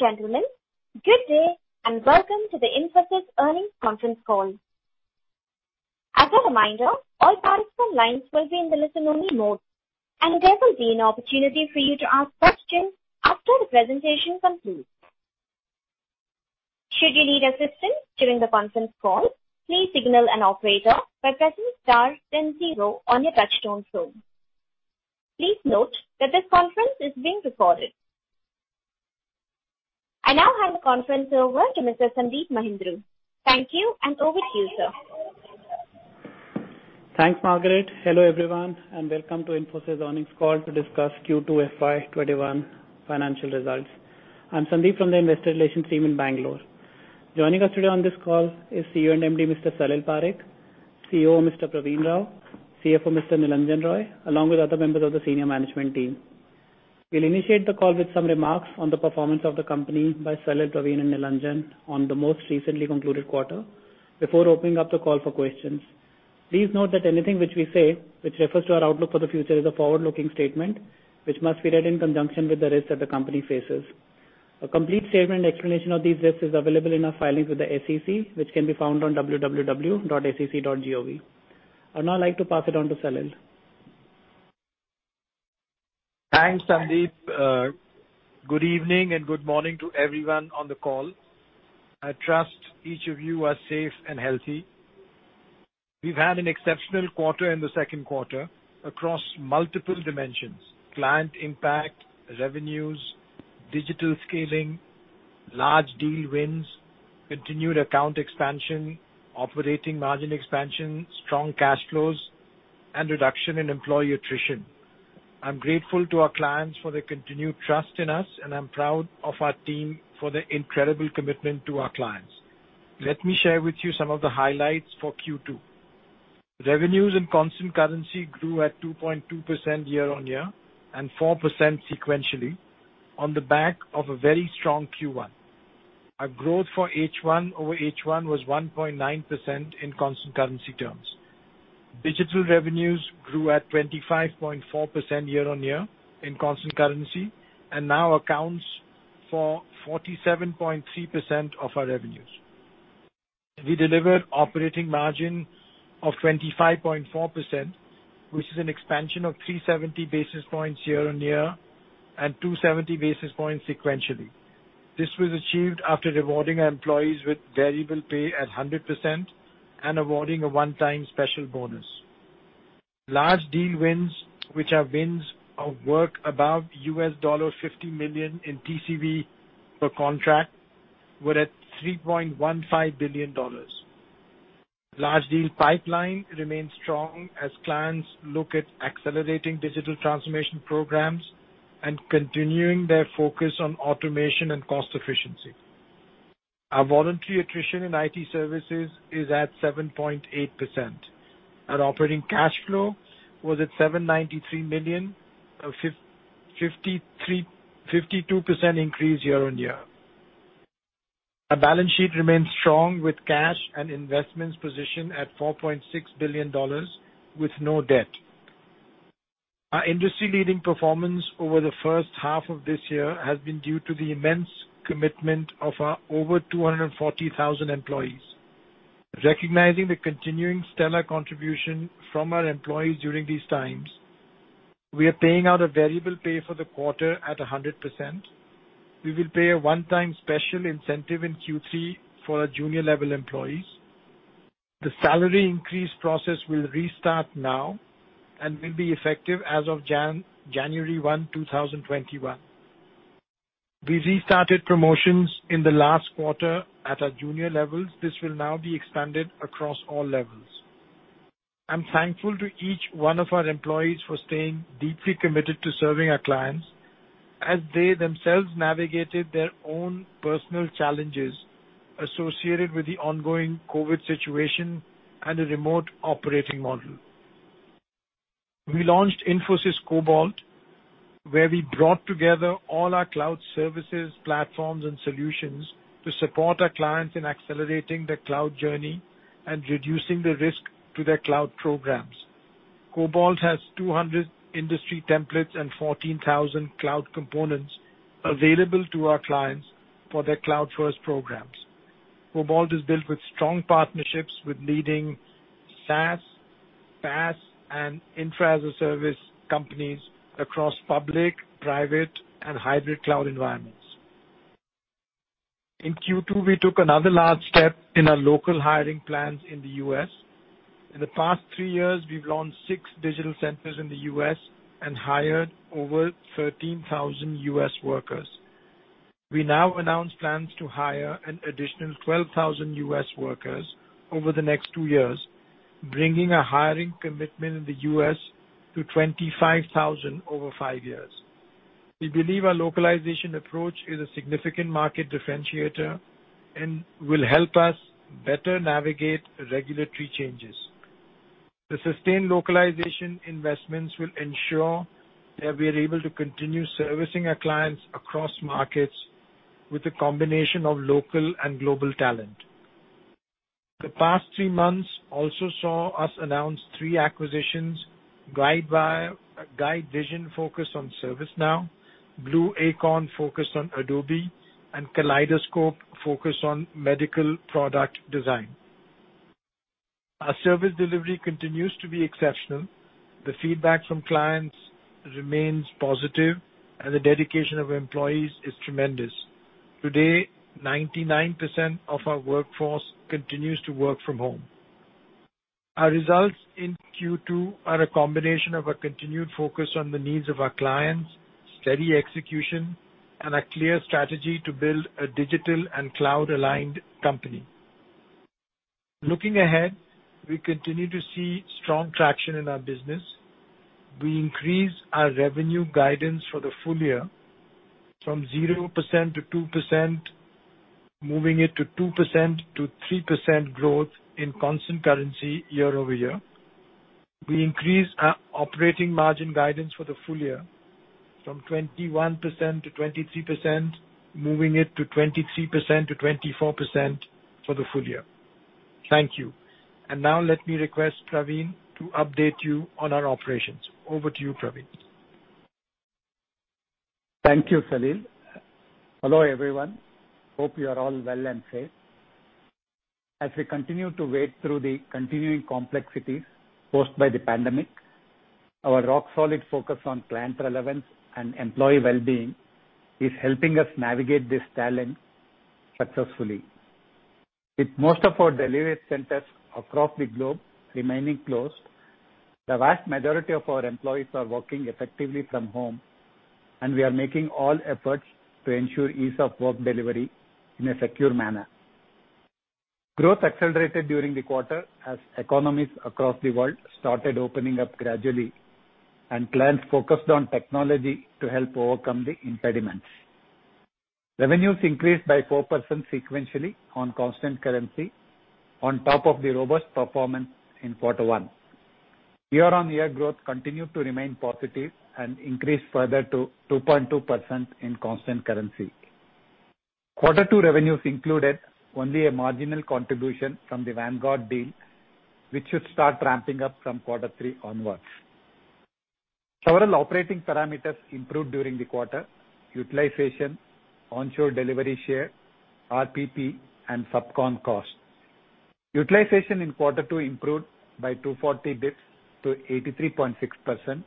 Ladies and gentlemen, good day and welcome to the Infosys earnings conference call. As a reminder, all participant lines will be in the listen only mode and there will be an opportunity for you to ask questions after the presentation concludes. Should you need assistance during the conference call, please signal an operator by pressing star then zero on your touchtone phone. Please note that this conference is being recorded. I now hand the conference over to Mr. Sandeep Mahindroo. Thank you and over to you, sir. Thanks, Margaret. Hello, everyone, and welcome to Infosys earnings call to discuss Q2 FY 2021 financial results. I'm Sandeep from the investor relations team in Bangalore. Joining us today on this call is CEO and MD, Mr. Salil Parekh, COO, Mr. Pravin Rao, CFO, Mr. Nilanjan Roy, along with other members of the senior management team. We'll initiate the call with some remarks on the performance of the company by Salil, Pravin, and Nilanjan on the most recently concluded quarter before opening up the call for questions. Please note that anything which we say which refers to our outlook for the future is a forward-looking statement which must be read in conjunction with the risks that the company faces. A complete statement explanation of these risks is available in our filings with the SEC, which can be found on www.sec.gov. I would now like to pass it on to Salil. Thanks, Sandeep. Good evening and good morning to everyone on the call. I trust each of you are safe and healthy. We've had an exceptional quarter in the second quarter across multiple dimensions. Client impact, revenues, digital scaling, large deal wins, continued account expansion, operating margin expansion, strong cash flows, and reduction in employee attrition. I'm grateful to our clients for their continued trust in us, and I'm proud of our team for their incredible commitment to our clients. Let me share with you some of the highlights for Q2. Revenues in constant currency grew at 2.2% year-over-year and 4% sequentially on the back of a very strong Q1. Our growth for H1-over-H1 was 1.9% in constant currency terms. Digital revenues grew at 25.4% year-on-year in constant currency and now accounts for 47.3% of our revenues. We delivered operating margin of 25.4%, which is an expansion of 370 basis points year-on-year and 270 basis points sequentially. This was achieved after rewarding our employees with variable pay at 100% and awarding a one-time special bonus. Large deal wins, which are wins of work above $50 million in TCV per contract, were at $3.15 billion. Large deal pipeline remains strong as clients look at accelerating digital transformation programs and continuing their focus on automation and cost efficiency. Our voluntary attrition in IT services is at 7.8%. Our operating cash flow was at $793 million, a 52% increase year-on-year. Our balance sheet remains strong with cash and investments position at $4.6 billion with no debt. Our industry-leading performance over the first half of this year has been due to the immense commitment of our over 240,000 employees. Recognizing the continuing stellar contribution from our employees during these times, we are paying out a variable pay for the quarter at 100%. We will pay a one-time special incentive in Q3 for our junior-level employees. The salary increase process will restart now and will be effective as of January 1, 2021. We restarted promotions in the last quarter at our junior levels. This will now be expanded across all levels. I'm thankful to each one of our employees for staying deeply committed to serving our clients as they themselves navigated their own personal challenges associated with the ongoing COVID situation and a remote operating model. We launched Infosys Cobalt, where we brought together all our cloud services, platforms, and solutions to support our clients in accelerating their cloud journey and reducing the risk to their cloud programs. Cobalt has 200 industry templates and 14,000 cloud components available to our clients for their cloud-first programs. Cobalt is built with strong partnerships with leading SaaS, PaaS, and infra-as-a-service companies across public, private, and hybrid cloud environments. In Q2, we took another large step in our local hiring plans in the U.S. In the past three years, we've launched six digital centers in the U.S. and hired over 13,000 U.S. workers. We now announce plans to hire an additional 12,000 U.S. workers over the next two years, bringing our hiring commitment in the U.S. to 25,000 over five years. We believe our localization approach is a significant market differentiator and will help us better navigate regulatory changes. The sustained localization investments will ensure that we are able to continue servicing our clients across markets with a combination of local and global talent. The past three months also saw us announce three acquisitions, GuideVision focused on ServiceNow, Blue Acorn focused on Adobe, and Kaleidoscope focused on medical product design. Our service delivery continues to be exceptional. The feedback from clients remains positive, and the dedication of employees is tremendous. Today, 99% of our workforce continues to work from home. Our results in Q2 are a combination of a continued focus on the needs of our clients, steady execution, and a clear strategy to build a digital and cloud-aligned company. Looking ahead, we continue to see strong traction in our business. We increased our revenue guidance for the full year from 0%-2%, moving it to 2%-3% growth in constant currency year-over-year. We increased our operating margin guidance for the full year from 21%-23%, moving it to 23%-24% for the full-year. Thank you. Now let me request Pravin to update you on our operations. Over to you, Pravin. Thank you, Salil. Hello, everyone. Hope you are all well and safe. As we continue to wade through the continuing complexities posed by the pandemic, our rock-solid focus on client relevance and employee well-being is helping us navigate this challenge successfully. With most of our delivery centers across the globe remaining closed, the vast majority of our employees are working effectively from home, and we are making all efforts to ensure ease of work delivery in a secure manner. Growth accelerated during the quarter as economies across the world started opening up gradually, and clients focused on technology to help overcome the impediments. Revenues increased by 4% sequentially on constant currency on top of the robust performance in quarter one. Year-on-year growth continued to remain positive and increased further to 2.2% in constant currency. Quarter two revenues included only a marginal contribution from the Vanguard deal, which should start ramping up from quarter three onwards. Several operating parameters improved during the quarter. Utilization, onshore delivery share, RPP, and subcon cost. Utilization in quarter two improved by 240 basis points to 83.6%,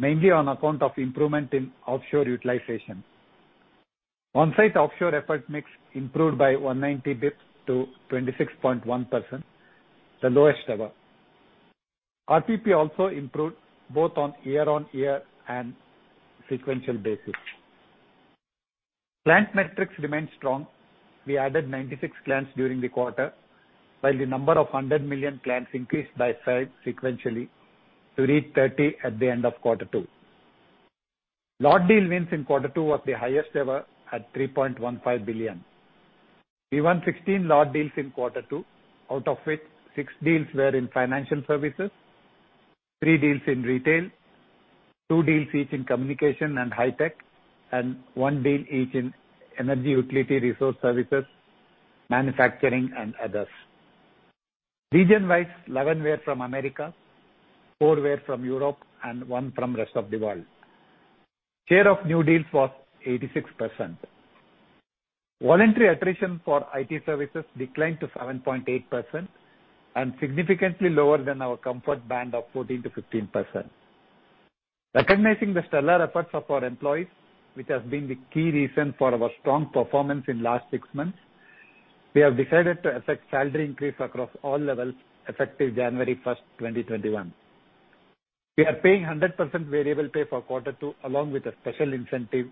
mainly on account of improvement in offshore utilization. On-site offshore effort mix improved by 190 basis points to 26.1%, the lowest ever. RPP also improved both on year-on-year and a sequential basis. Client metrics remained strong. We added 96 clients during the quarter, while the number of 100 million clients increased by five sequentially to 30 at the end of quarter two. Large deal wins in quarter two was the highest ever at $3.15 billion. We won 16 large deals in quarter two, out of which six deals were in financial services, three deals in retail, two deals each in communication and high tech, and one deal each in energy utility resource services, manufacturing, and others. Region-wise, 11 were from America, four were from Europe and one from rest of the world. Share of new deals was 86%. Voluntary attrition for IT services declined to 7.8% and significantly lower than our comfort band of 14%-15%. Recognizing the stellar efforts of our employees, which has been the key reason for our strong performance in last six months, we have decided to effect salary increase across all levels effective January 1, 2021. We are paying 100% variable pay for quarter two along with a special incentive,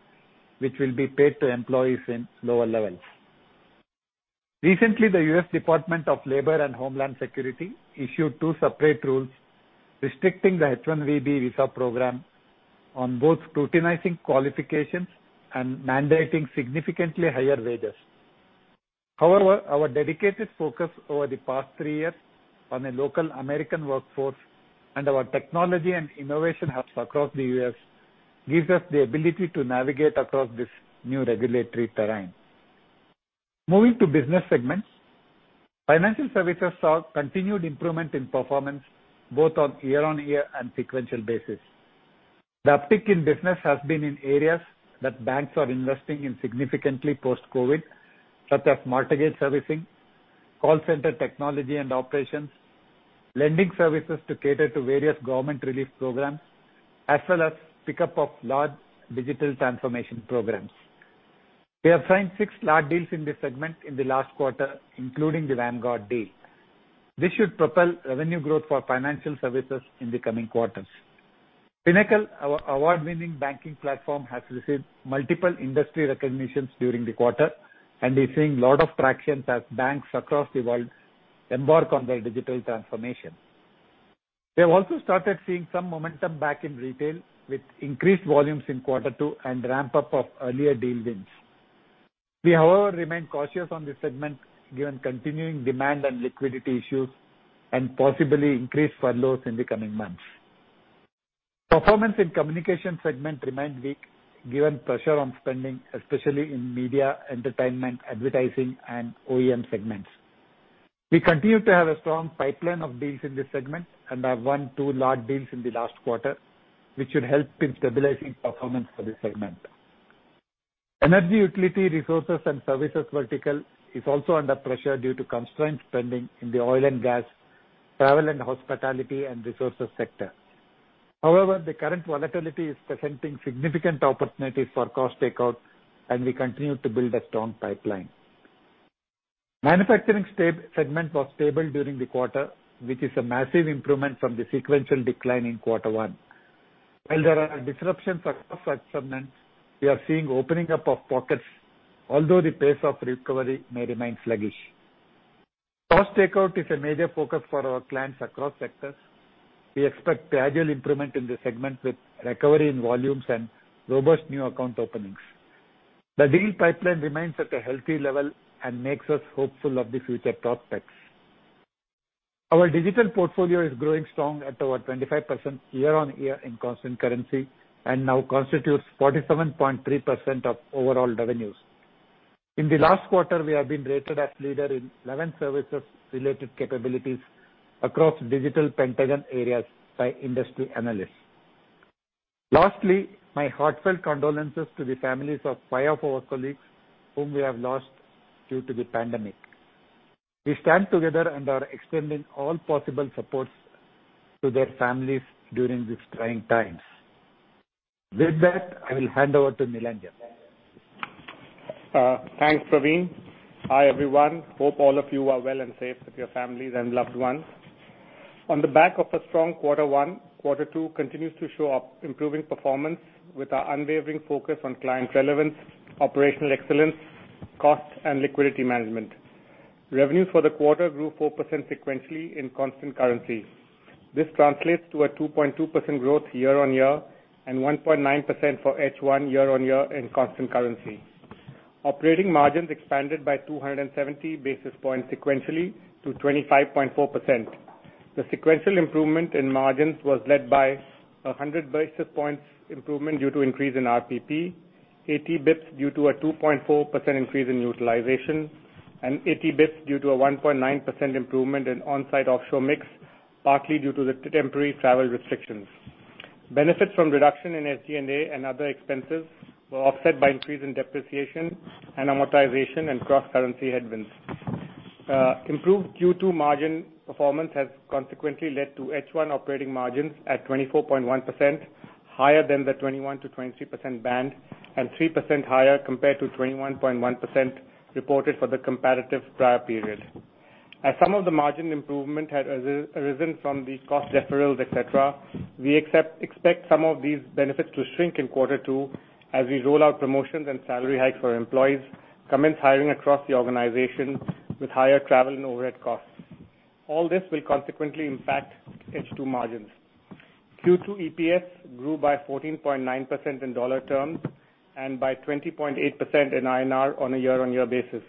which will be paid to employees in lower levels. Recently, the U.S. Department of Labor and Homeland Security issued two separate rules restricting the H-1B visa program on both scrutinizing qualifications and mandating significantly higher wages. However, our dedicated focus over the past three years on a local American workforce and our technology and innovation hubs across the U.S. gives us the ability to navigate across this new regulatory terrain. Moving to business segments. Financial services saw continued improvement in performance both on year-on-year and sequential basis. The uptick in business has been in areas that banks are investing in significantly post-COVID, such as mortgage servicing, call center technology and operations, lending services to cater to various government relief programs, as well as pickup of large digital transformation programs. We have signed six large deals in this segment in the last quarter, including the Vanguard deal. This should propel revenue growth for financial services in the coming quarters. Finacle, our award-winning banking platform, has received multiple industry recognitions during the quarter and is seeing lot of traction as banks across the world embark on their digital transformation. We have also started seeing some momentum back in retail with increased volumes in quarter two and ramp-up of earlier deal wins. We, however, remain cautious on this segment given continuing demand and liquidity issues and possibly increased furloughs in the coming months. Performance in communication segment remained weak given pressure on spending, especially in media entertainment, advertising, and OEM segments. We continue to have a strong pipeline of deals in this segment and have won two large deals in the last quarter, which should help in stabilizing performance for this segment. Energy utility resources and services vertical is also under pressure due to constrained spending in the oil and gas, travel and hospitality, and resources sector. However, the current volatility is presenting significant opportunities for cost takeout, and we continue to build a strong pipeline. Manufacturing segment was stable during the quarter, which is a massive improvement from the sequential decline in quarter one. There are disruptions across segments, we are seeing opening up of pockets, although the pace of recovery may remain sluggish. Cost takeout is a major focus for our clients across sectors. We expect gradual improvement in this segment with recovery in volumes and robust new account openings. The deal pipeline remains at a healthy level and makes us hopeful of the future prospects. Our digital portfolio is growing strong at over 25% year-on-year in constant currency and now constitutes 47.3% of overall revenues. In the last quarter, we have been rated as leader in 11 services-related capabilities across Digital Pentagon areas by industry analysts. Lastly, my heartfelt condolences to the families of five of our colleagues whom we have lost due to the pandemic. We stand together and are extending all possible supports to their families during these trying times. With that, I will hand over to Nilanjan. Thanks, Pravin. Hi, everyone. Hope all of you are well and safe with your families and loved ones. On the back of a strong quarter one, quarter two continues to show improving performance with our unwavering focus on client relevance, operational excellence, cost, and liquidity management. Revenues for the quarter grew 4% sequentially in constant currency. This translates to a 2.2% growth year-on-year and 1.9% for H1 year-on-year in constant currency. Operating margins expanded by 270 basis points sequentially to 25.4%. The sequential improvement in margins was led by 100 basis points improvement due to increase in RPP, 80 basis points due to a 2.4% increase in utilization, and 80 basis points due to a 1.9% improvement in on-site offshore mix, partly due to the temporary travel restrictions. Benefits from reduction in SG&A and other expenses were offset by increase in depreciation and amortization and cross-currency headwinds. Improved Q2 margin performance has consequently led to H1 operating margins at 24.1% higher than the 21%-23% band and 3% higher compared to 21.1% reported for the comparative prior period. As some of the margin improvement had arisen from the cost deferrals, et cetera, we expect some of these benefits to shrink in quarter two as we roll out promotions and salary hikes for employees, commence hiring across the organization with higher travel and overhead costs. All this will consequently impact H2 margins. Q2 EPS grew by 14.9% in dollar terms and by 20.8% in INR on a year-on-year basis.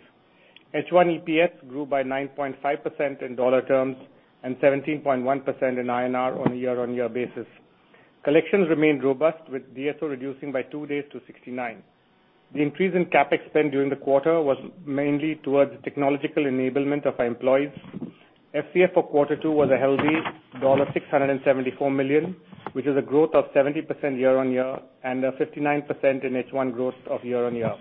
H1 EPS grew by 9.5% in dollar terms and 17.1% in INR on a year-on-year basis. Collections remained robust with DSO reducing by two days to 69. The increase in CapEx spend during the quarter was mainly towards the technological enablement of our employees. FCF for Q2 was a healthy $674 million, which is a growth of 70% year-on-year and a 59% in H1 growth of year-on-year.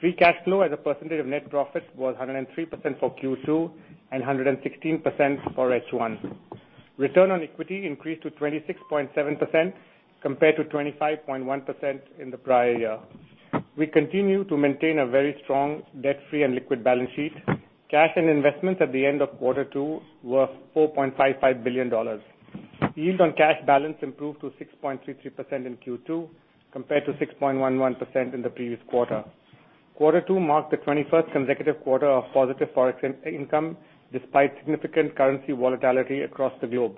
Free cash flow as a percentage of net profit was 103% for Q2 and 116% for H1. Return on equity increased to 26.7% compared to 25.1% in the prior year. We continue to maintain a very strong debt-free and liquid balance sheet. Cash and investments at the end of Q2 were $4.55 billion. Yield on cash balance improved to 6.33% in Q2 compared to 6.11% in the previous quarter. Q2 marked the 21st consecutive quarter of positive Forex income despite significant currency volatility across the globe.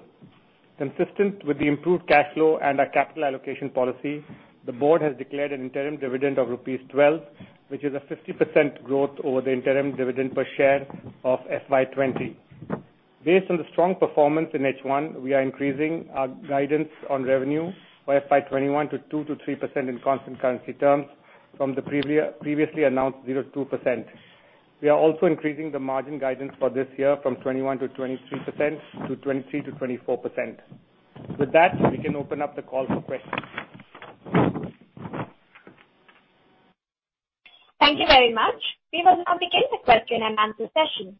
Consistent with the improved cash flow and our capital allocation policy, the board has declared an interim dividend of rupees 12, which is a 50% growth over the interim dividend per share of FY 2020. Based on the strong performance in H1, we are increasing our guidance on revenue for FY 2021 to 2%-3% in constant currency terms from the previously announced 0%-2%. We are also increasing the margin guidance for this year from 21%-23% to 23%-24%. With that, we can open up the call for questions. Thank you very much. As we begin our question-and-answer session.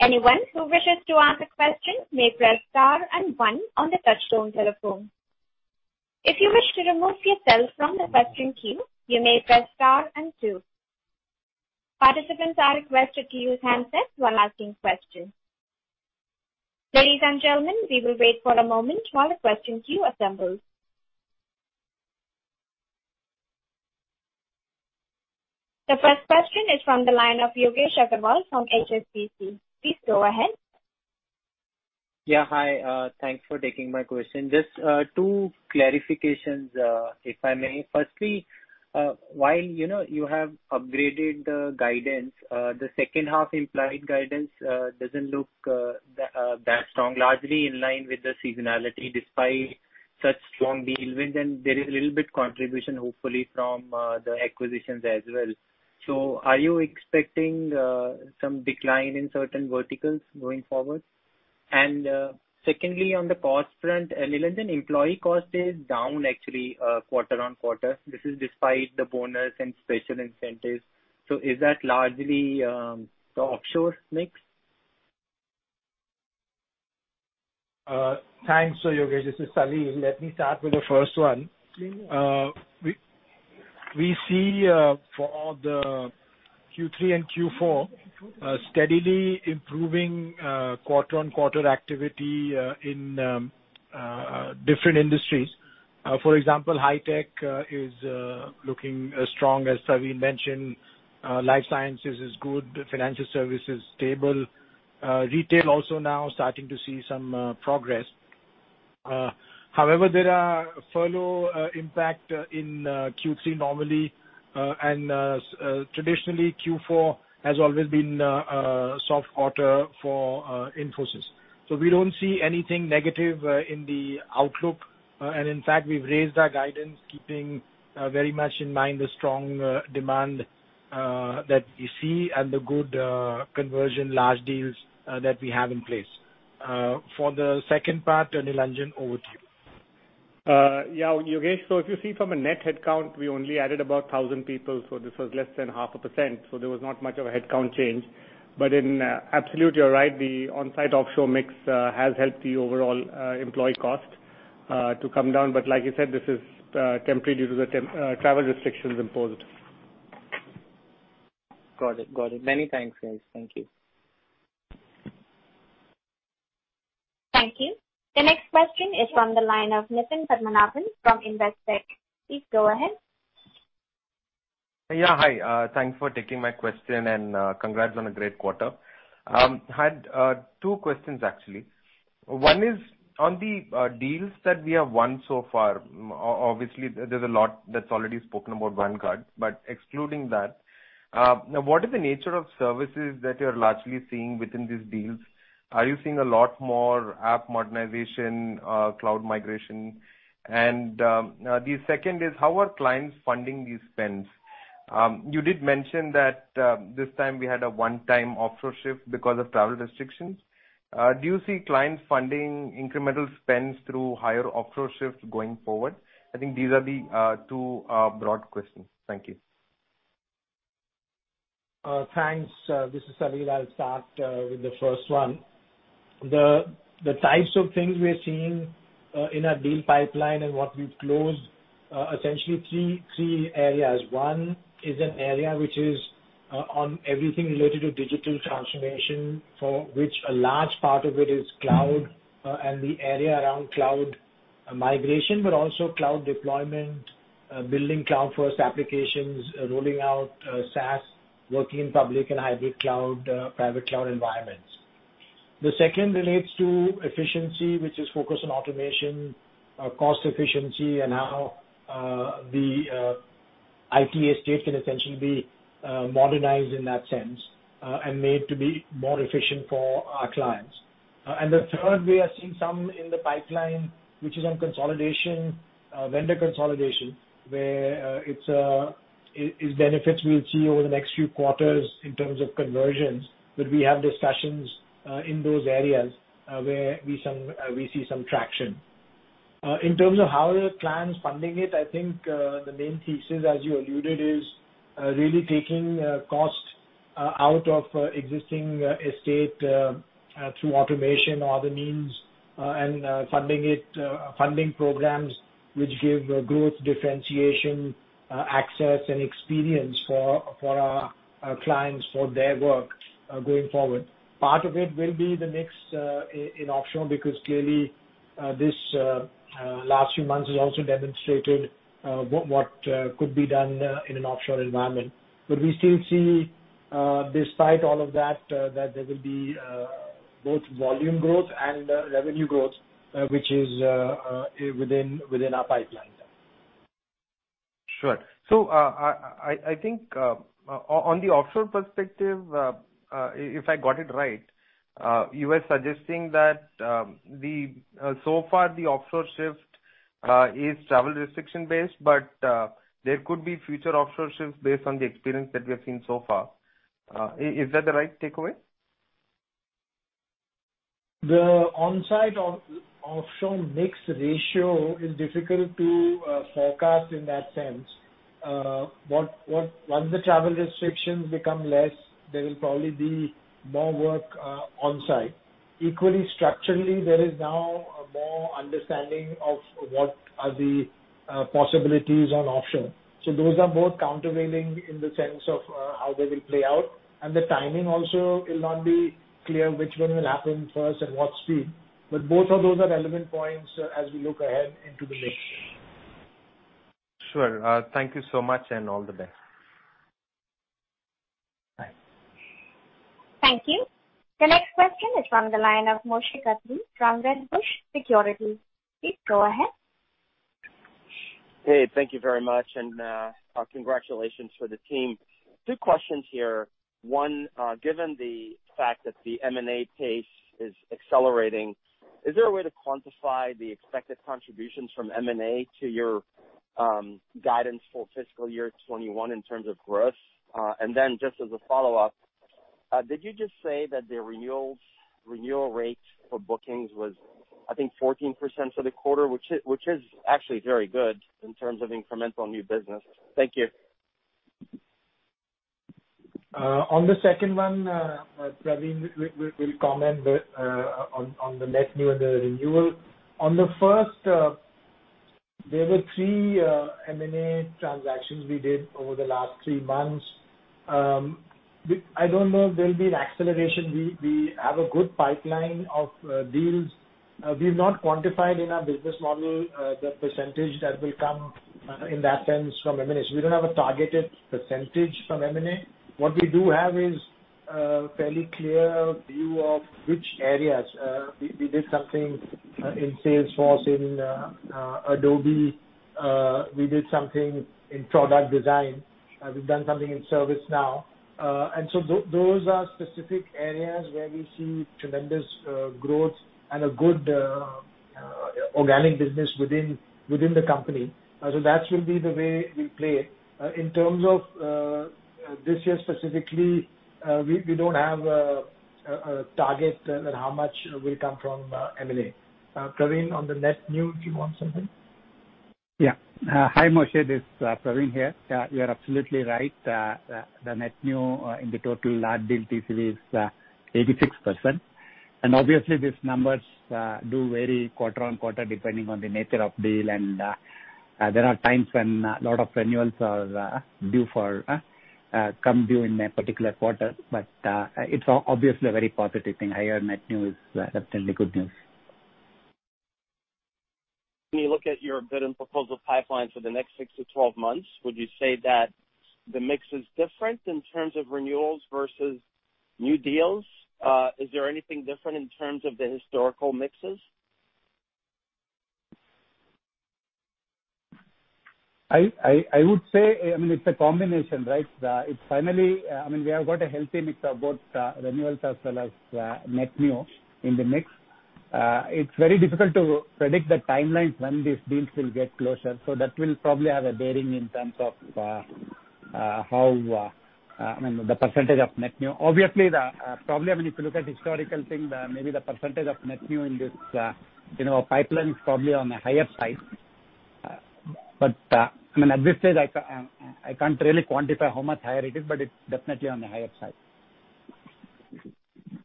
Anyone who wishes to ask a question may press star and one on a touchtone telephone. If you wish to remove yourself from the question queue, you press star and two. Participants are requested to use a handset while asking a question. Ladies and gentlemen, we wait for the moment while the question queue assemble. The first question is from the line of Yogesh Aggarwal from HSBC. Please go ahead. Yeah, hi. Thanks for taking my question. Just two clarifications, if I may. Firstly, while you have upgraded the guidance, the second half implied guidance doesn't look that strong, largely in line with the seasonality, despite such strong deal wins, and there is a little bit contribution, hopefully from the acquisitions as well. Are you expecting some decline in certain verticals going forward? Secondly, on the cost front, Nilanjan, employee cost is down actually quarter-on-quarter. This is despite the bonus and special incentives. Is that largely the offshore mix? Thanks, Yogesh. This is Salil. Let me start with the first one. Sure. We see for all the Q3 and Q4, steadily improving quarter-on-quarter activity in different industries. For example, high tech is looking as strong as Salil mentioned. Life sciences is good. Financial service is stable. Retail also now starting to see some progress. There are furlough impact in Q3 normally, and traditionally Q4 has always been a soft quarter for Infosys. We don't see anything negative in the outlook. In fact, we've raised our guidance keeping very much in mind the strong demand that we see and the good conversion large deals that we have in place. For the second part, Nilanjan, over to you. Yeah. Yogesh, if you see from a net head count, we only added about 1,000 people. This was less than 0.5%. There was not much of a head count change. Absolutely, you're right, the on-site offshore mix has helped the overall employee cost to come down. Like you said, this is temporary due to the travel restrictions imposed. Got it. Many thanks. Thank you. Thank you. The next question is from the line of Nitin Padmanabhan from Investec. Please go ahead. Hi. Thanks for taking my question, and congrats on a great quarter. I had two questions actually. One is on the deals that we have won so far. Obviously, there's a lot that's already been spoken about Vanguard. Excluding that, what is the nature of services that you're largely seeing within these deals? Are you seeing a lot more app modernization, cloud migration? The second is, how are clients funding these spends? You did mention that this time we had a one-time offshore shift because of travel restrictions. Do you see clients funding incremental spends through higher offshore shifts going forward? I think these are the two broad questions. Thank you. Thanks. This is Salil. I'll start with the first one. The types of things we're seeing in our deal pipeline and what we've closed, essentially three areas. One is an area which is on everything related to digital transformation, for which a large part of it is cloud and the area around cloud migration, but also cloud deployment, building cloud-first applications, rolling out SaaS, working in public and hybrid cloud, private cloud environments. The second relates to efficiency, which is focused on automation, cost efficiency, and how the IT estate can essentially be modernized in that sense and made to be more efficient for our clients. The third, we are seeing some in the pipeline, which is on consolidation, vendor consolidation, where its benefits we'll see over the next few quarters in terms of conversions. We have discussions in those areas where we see some traction. In terms of how the client's funding it, I think the main thesis, as you alluded, is really taking cost out of existing estate through automation or other means and funding programs which give growth differentiation, access, and experience for our clients for their work going forward. Part of it will be the mix in offshore because clearly this last few month has also demonstrated what could be done in an offshore environment. We still see, despite all of that, there will be both volume growth and revenue growth, which is within our pipeline. Sure. I think on the offshore perspective, if I got it right, you were suggesting that so far the offshore shift is travel restriction based, but there could be future offshore shifts based on the experience that we have seen so far. Is that the right takeaway? The on-site offshore mix ratio is difficult to forecast in that sense. Once the travel restrictions become less, there will probably be more work on-site. Equally structurally, there is now a more understanding of what are the possibilities on offshore. Those are both countervailing in the sense of how they will play out. The timing also will not be clear which one will happen first, and what speed. Both of those are relevant points as we look ahead into the next year. Sure. Thank you so much, and all the best. Thanks. Thank you. The next question is from the line of Moshe Katri from Wedbush Securities. Please go ahead. Hey, thank you very much, and congratulations to the team. Two questions here. One, given the fact that the M&A pace is accelerating, is there a way to quantify the expected contributions from M&A to your guidance for fiscal year 2021 in terms of growth? Just as a follow-up, did you just say that the renewal rate for bookings was, I think, 14% for the quarter, which is actually very good in terms of incremental new business. Thank you. On the second one, Pravin will comment on the net new and the renewal. On the first, there were three M&A transactions we did over the last three months. I don't know if there'll be an acceleration. We have a good pipeline of deals. We've not quantified in our business model the percentage that will come in that sense from M&A. We don't have a targeted percentage from M&A. What we do have is a fairly clear view of which areas. We did something in Salesforce, in Adobe. We did something in product design. We've done something in ServiceNow. Those are specific areas where we see tremendous growth and a good organic business within the company. That will be the way we play. In terms of this year, specifically, we don't have a target at how much will come from M&A. Pravin, on the net new, do you want something? Yeah. Hi, Moshe, this is Pravin here. You are absolutely right. The net new in the total liabilities is 86%. Obviously, these numbers do vary quarter-on-quarter, depending on the nature of deal, and there are times when a lot of renewals are due for come due in a particular quarter, but it is obviously a very positive thing. Higher net new is definitely good news. When you look at your bid and proposal pipeline for the next six to 12 months, would you say that the mix is different in terms of renewals versus new deals? Is there anything different in terms of the historical mixes? I would say, it's a combination, right? Finally, we have got a healthy mix of both renewals as well as net new in the mix. It's very difficult to predict the timelines when these deals will get closure. That will probably have a bearing in terms of the percentage of net new. Obviously, probably, when you look at historical things, maybe the percentage of net new in this pipeline is probably on the higher side. At this stage, I can't really quantify how much higher it is, but it's definitely on the higher side.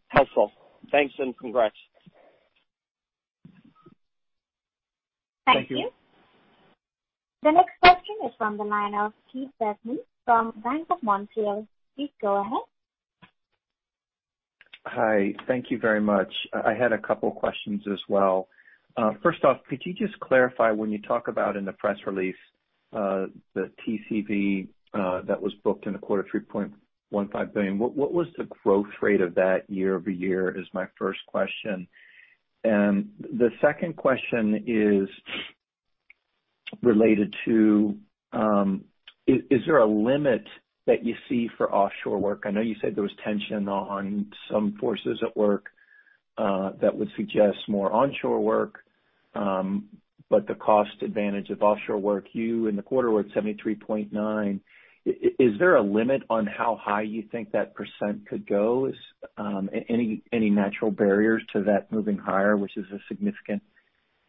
Helpful. Thanks. Congrats. Thank you. Thank you. The next question is from the line of Keith Bachman from Bank of Montreal. Please go ahead. Hi. Thank you very much. I had a couple questions as well. First off, could you just clarify when you talk about in the press release, the TCP that was booked in the quarter, $3.15 billion, what was the growth rate of that year-over-year, is my first question. The second question is related to, is there a limit that you see for offshore work? I know you said there was tension on some forces at work that would suggest more onshore work. The cost advantage of offshore work, you in the quarter were at 73.9%. Is there a limit on how high you think that percent could go? Any natural barriers to that moving higher, which is a significant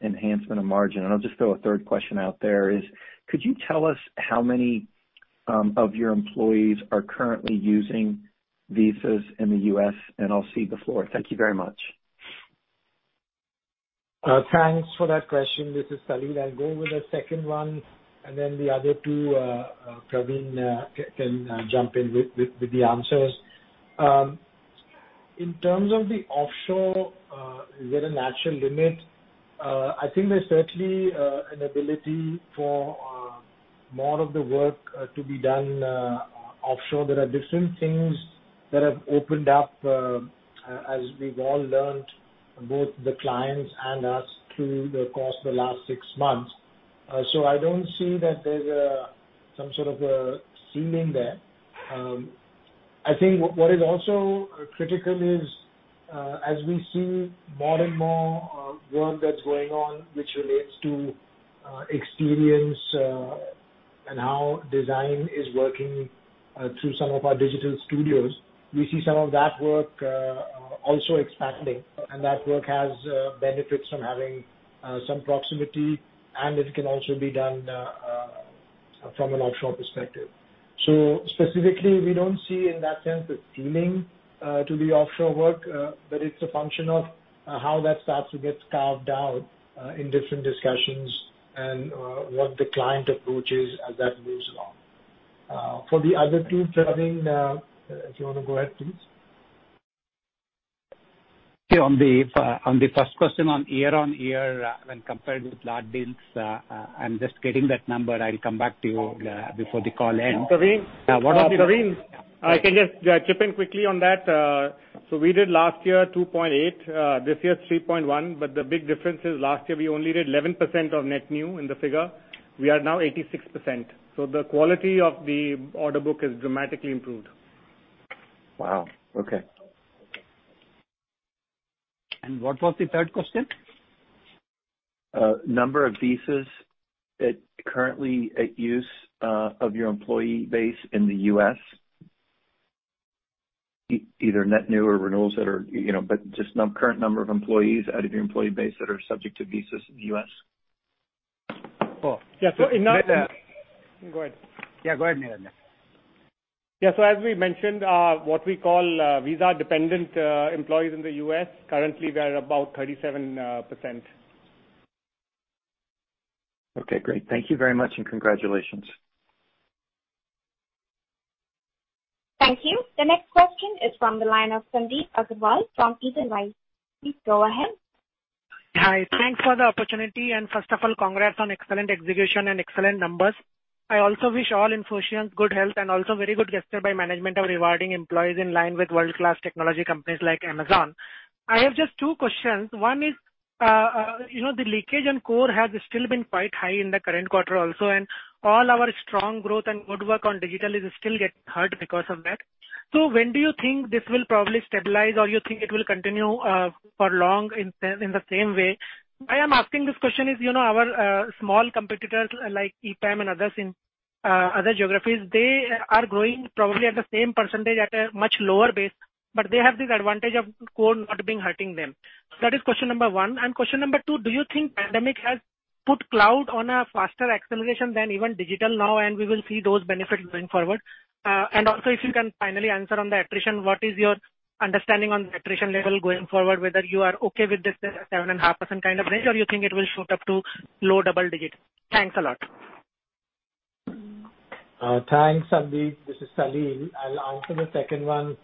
enhancement of margin? I'll just throw a third question out there is, could you tell us how many of your employees are currently using visas in the U.S.? I'll cede the floor. Thank you very much. Thanks for that question. This is Salil. I'll go with the second one, and then the other two, Pravin can jump in with the answers. In terms of the offshore, is there a natural limit? I think there's certainly an ability for more of the work to be done offshore. There are different things that have opened up, as we've all learned, both the clients and us, through the course of the last six months. I don't see that there's some sort of a ceiling there. I think what is also critical is, as we see more and more work that's going on, which relates to experience and how design is working through some of our digital studios. We see some of that work also expanding, and that work has benefits from having some proximity, and it can also be done from an offshore perspective. Specifically, we don't see in that sense a ceiling to the offshore work. It's a function of how that starts to get carved out in different discussions and what the client approach is as that moves along. For the other two, Pravin, if you want to go ahead, please. On the first question on year-on-year when compared with large deals, I'm just getting that number. I'll come back to you before the call ends. Pravin. I can just chip in quickly on that. We did last year, $2.8 billion. This year, $3.1 billion. The big difference is last year; we only did 11% of net new in the figure. We are now 86%. The quality of the order book has dramatically improved. Wow. Okay. What was the third question? Number of visas currently at use of your employee base in the U.S. Either net new or renewals, but just current number of employees out of your employee base that are subject to visas in the U.S. Yeah. Go ahead. Yeah, go ahead, Nilanjan. As we mentioned, what we call visa-dependent employees in the U.S., currently we are about 37%. Okay, great. Thank you very much, and congratulations. Thank you. The next question is from the line of Sandeep Agarwal from Edelweiss. Please go ahead. Hi. Thanks for the opportunity. First of all, congrats on excellent execution and excellent numbers. I also wish all Infoscions good health, and also very good gesture by management of rewarding employees in line with world-class technology companies like Amazon. I have just two questions. One is, the leakage in core has still been quite high in the current quarter also, and all our strong growth and good work on digital is still getting hurt because of that. When do you think this will probably stabilize, or you think it will continue for long in the same way? Why I'm asking this question is, our small competitors like EPAM and others in other geographies, they are growing probably at the same percentage at a much lower base, but they have this advantage of core not being hurting them. That is question number one. Question number two, do you think pandemic has put cloud on a faster acceleration than even digital now, and we will see those benefits going forward? Also, if you can finally answer on the attrition. What is your understanding on the attrition level going forward, whether you are okay with this 7.5% kind of range, or you think it will shoot up to low double-digit? Thanks a lot. Thanks, Sandeep. This is Salil. I'll answer the second one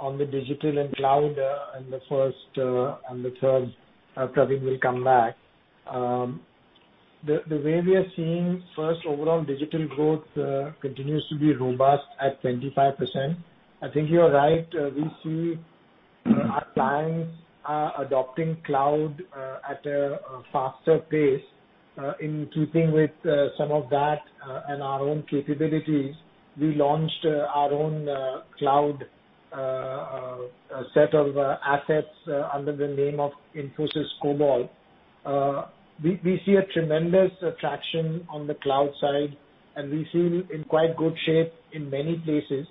on the digital and cloud. The first and the third, Pravin will come back. The way we are seeing, first, overall digital growth continues to be robust at 25%. I think you are right. We see our clients are adopting cloud at a faster pace. In keeping with some of that and our own capabilities, we launched our own cloud set of assets under the name of Infosys Cobalt. We see a tremendous traction on the cloud side, and we seem in quite good shape in many places.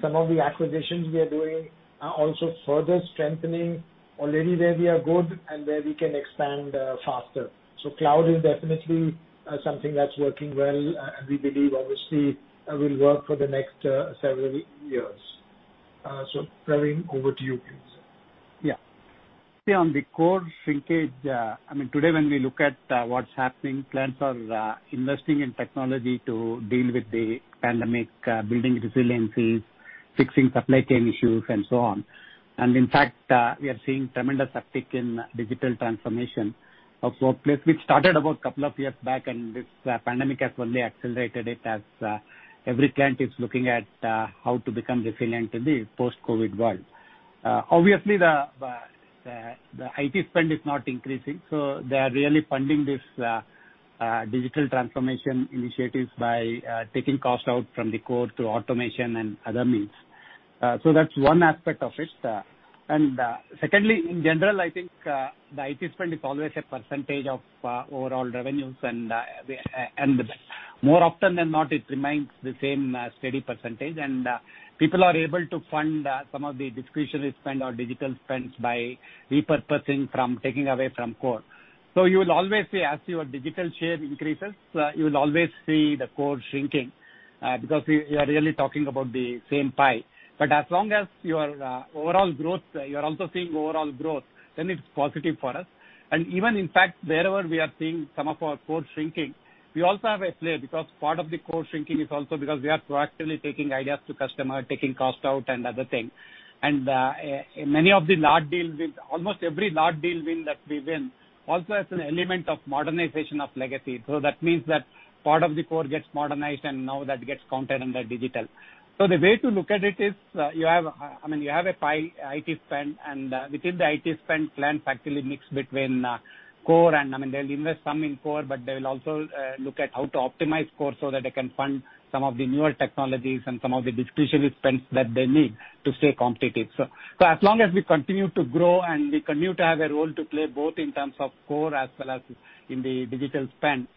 Some of the acquisitions we are doing are also further strengthening already where we are good and where we can expand faster. Cloud is definitely something that's working well, and we believe obviously will work for the next several years. Pravin, over to you, please. Yeah. On the core shrinkage, today when we look at what's happening, clients are investing in technology to deal with the pandemic, building resiliency, fixing supply chain issues, and so on. In fact, we are seeing tremendous uptick in digital transformation of workplace, which started about couple of years back, and this pandemic has only accelerated it as every client is looking at how to become resilient in the post-COVID world. Obviously, the IT spend is not increasing, so they are really funding these digital transformation initiatives by taking costs out from the core through automation and other means. That's one aspect of it. Secondly, in general, I think the IT spend is always a percentage of overall revenues. More often than not, it remains the same steady percentage. People are able to fund some of the discretionary spend or digital spends by repurposing from taking away from core. You will always see as your digital share increases, you will always see the core shrinking because you are really talking about the same pie. As long as you are also seeing overall growth, then it's positive for us. Even in fact, wherever we are seeing some of our core shrinking, we also have a flair because part of the core shrinking is also because we are proactively taking ideas to customers, taking cost out, and other thing. Almost every large deal win that we win also has an element of modernization of legacy. That means that part of the core gets modernized, and now that gets counted under digital. The way to look at it is, you have a pie, IT spend, and within the IT spend, clients actually mix between core. They'll invest some in core, but they will also look at how to optimize core so that they can fund some of the newer technologies and some of the discretionary spends that they need to stay competitive. As long as we continue to grow and we continue to have a role to play both in terms of core as well as in the digital spend,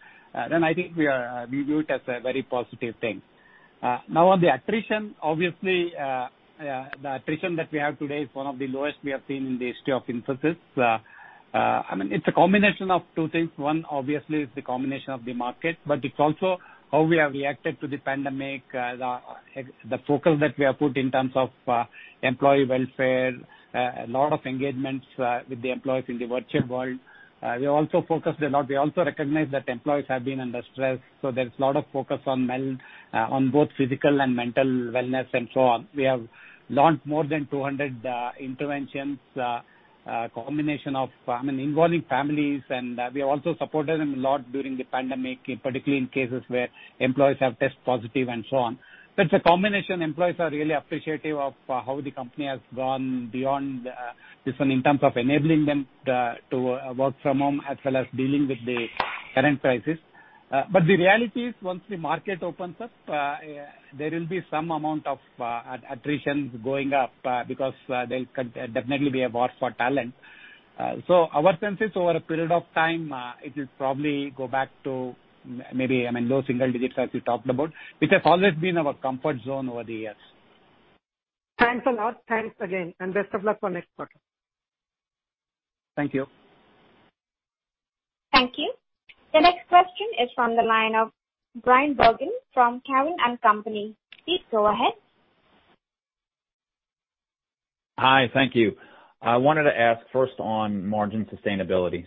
then I think we view it as a very positive thing. On the attrition, obviously, the attrition that we have today is one of the lowest we have seen in the history of Infosys. It's a combination of two things. Obviously, it is the combination of the market. It is also how we have reacted to the pandemic, the focus that we have put in terms of employee welfare, a lot of engagements with the employees in the virtual world. We also recognize that employees have been under stress. There's a lot of focus on both physical and mental wellness, and so on. We have launched more than 200 interventions involving families. We have also supported them a lot during the pandemic, particularly in cases where employees have tested positive and so on. It's a combination. Employees are really appreciative of how the company has gone beyond this one in terms of enabling them to work from home as well as dealing with the current crisis. The reality is once the market opens up, there will be some amount of attrition going up because there'll definitely be a war for talent. Our sense is over a period of time, it'll probably go back to maybe low single digits as we talked about, which has always been our comfort zone over the years. Thanks a lot. Thanks again, and best of luck for next quarter. Thank you. Thank you. The next question is from the line of Bryan Bergin from Cowen and Company. Please go ahead. Hi. Thank you. I wanted to ask first on margin sustainability.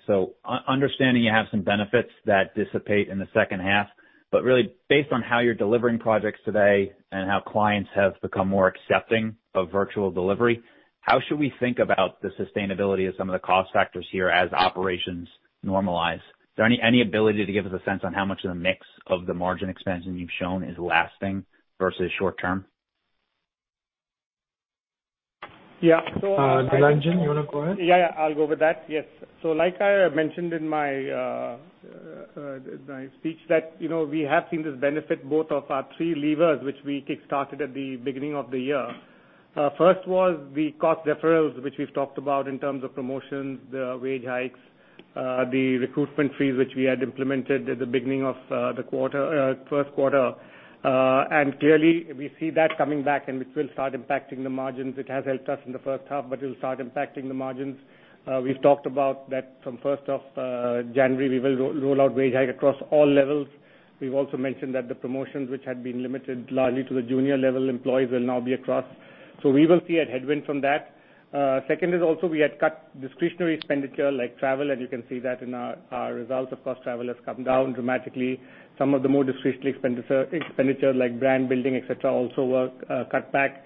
Understanding you have some benefits that dissipate in the second half, really based on how you're delivering projects today and how clients have become more accepting of virtual delivery, how should we think about the sustainability of some of the cost factors here as operations normalize? Is there any ability to give us a sense on how much of the mix of the margin expansion you've shown is lasting versus short-term? Yeah. Nilanjan, you wanna go ahead? Yeah. I'll go with that. Yes. Like I mentioned in my speech that we have seen this benefit both of our three levers, which we kickstarted at the beginning of the year. First was the cost deferrals, which we've talked about in terms of promotions, the wage hikes, the recruitment freeze which we had implemented at the beginning of the first quarter. Clearly, we see that coming back, and which will start impacting the margins. It has helped us in the first half, but it'll start impacting the margins. We've talked about that from first of January, we will roll out wage hike across all levels. We've also mentioned that the promotions which had been limited largely to the junior level employees will now be across. We will see a headwind from that. Second is also we had cut discretionary expenditure like travel, and you can see that in our results. Of course, travel has come down dramatically. Some of the more discretionary expenditure like brand building, et cetera, also were cut back.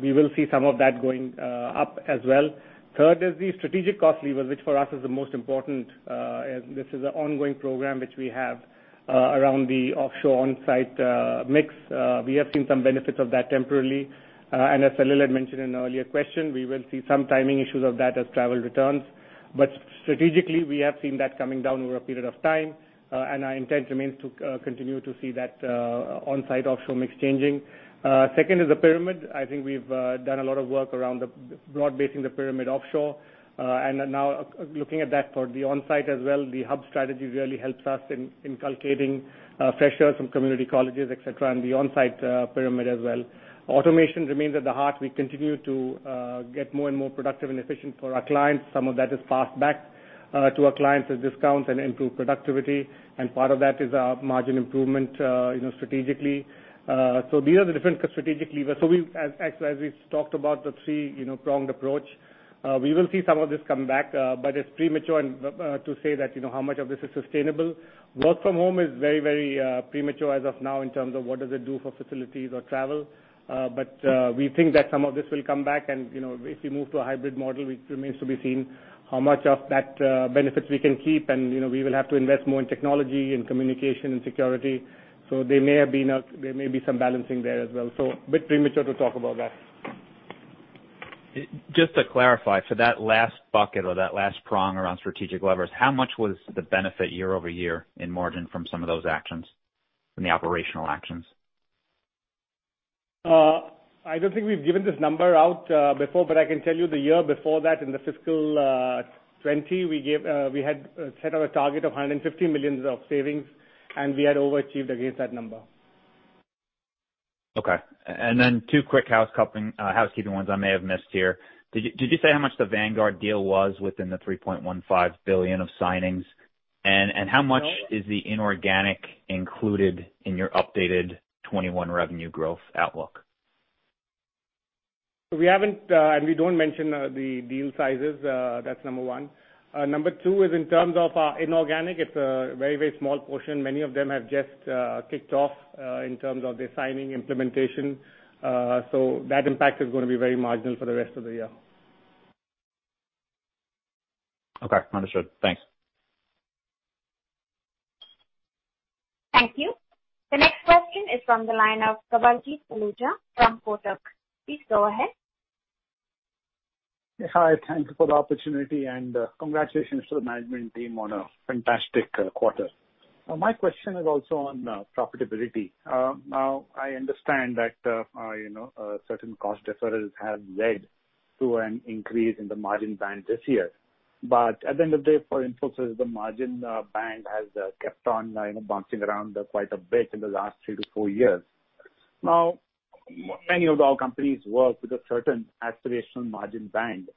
We will see some of that going up as well. Third is the strategic cost lever, which for us is the most important. This is an ongoing program which we have around the offshore/onsite mix. We have seen some benefits of that temporarily. As Salil had mentioned in an earlier question, we will see some timing issues of that as travel returns. Strategically, we have seen that coming down over a period of time. Our intent remains to continue to see that onsite-offshore mix changing. Second is the pyramid. I think we've done a lot of work around broad-basing the pyramid offshore. Now looking at that for the onsite as well, the hub strategy really helps us in inculcating freshers from community colleges, et cetera, and the onsite pyramid as well. Automation remains at the heart. We continue to get more and more productive and efficient for our clients. Some of that is passed back to our clients as discounts and improved productivity, and part of that is our margin improvement strategically. These are the different strategic levers. As we've talked about the three-pronged approach, we will see some of this come back. It's premature to say that how much of this is sustainable. Work from home is very premature as of now in terms of what does it do for facilities or travel. We think that some of this will come back, and if we move to a hybrid model, which remains to be seen how much of that benefits we can keep, and we will have to invest more in technology, in communication, in security. There may be some balancing there as well. A bit premature to talk about that. Just to clarify, for that last bucket or that last prong around strategic levers, how much was the benefit year-over-year in margin from some of those actions, from the operational actions? I don't think we've given this number out before, but I can tell you the year before that, in the FY 2020, we had set our target of 150 million of savings, and we had overachieved against that number. Okay. Then two quick housekeeping ones I may have missed here. Did you say how much the Vanguard deal was within the 3.15 billion of signings? How much is the inorganic included in your updated 2021 revenue growth outlook? We haven't, we don't mention the deal sizes, that's number one. Number two is in terms of our inorganic, it's a very small portion. Many of them have just kicked off in terms of the signing implementation. That impact is going to be very marginal for the rest of the year. Okay. Understood. Thanks. Thank you. The next question is from the line of Kawaljeet Saluja from Kotak. Please go ahead. Hi. Thank you for the opportunity. Congratulations to the management team on a fantastic quarter. My question is also on profitability. I understand that certain cost deferrals have led to an increase in the margin band this year. At the end of the day, for Infosys, the margin band has kept on bouncing around quite a bit in the last three to four years. Many of our companies work with a certain aspirational margin band.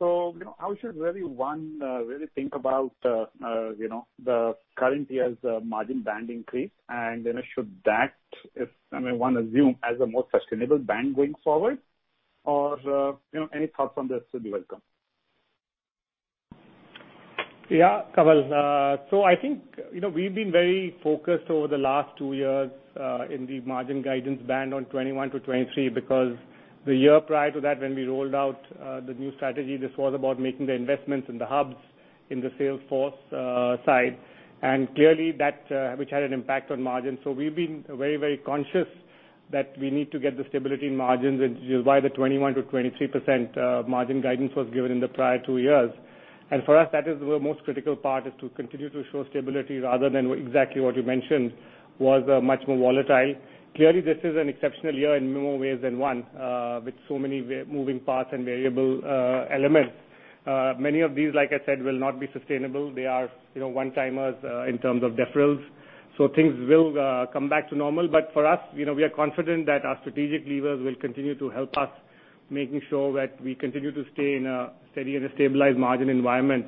How should one really think about the current year's margin band increase, and then should that, if one assumes as a more sustainable band going forward? Any thoughts on this will be welcome. Yeah, Kawal. I think we've been very focused over the last two years in the margin guidance band on 21%-23% because the year prior to that, when we rolled out the new strategy, this was about making the investments in the hubs, in the sales force side, which clearly had an impact on margin. We've been very conscious That we need to get the stability in margins, which is why the 21%-23% margin guidance was given in the prior two years. For us, that is the most critical part is to continue to show stability rather than exactly what you mentioned, was much more volatile. Clearly, this is an exceptional year in more ways than one, with so many moving parts and variable elements. Many of these, like I said, will not be sustainable. They are one-timers in terms of deferrals. Things will come back to normal. For us, we are confident that our strategic levers will continue to help us, making sure that we continue to stay in a steady and a stabilized margin environment.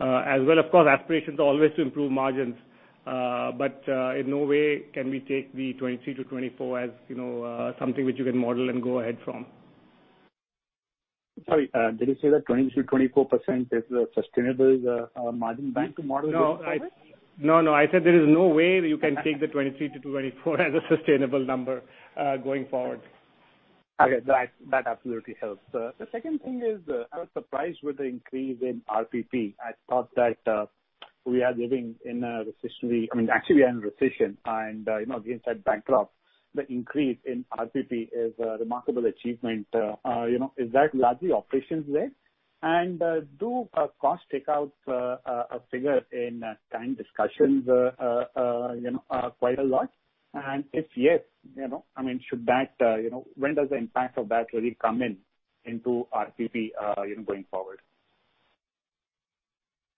As well, of course, aspirations are always to improve margins. In no way can we take the 23%-24% as something which you can model and go ahead from. Sorry, did you say that 23%-24% is a sustainable margin band to model going forward? No, I said there is no way you can take the 23%-24% as a sustainable number going forward. Okay. That absolutely helps. The second thing is, I was surprised with the increase in RPP. I thought that we are living in a recession. I mean, actually, we are in a recession, and in this backdrop, the increase in RPP is a remarkable achievement. Is that largely operations led? Do cost takeouts figure in [client] discussions quite a lot? If yes, when does the impact of that really come in into RPP going forward?